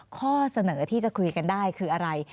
ข้อเสนอที่จะคุยกันได้คืออะไร